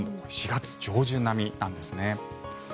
４月上旬並みなんですね。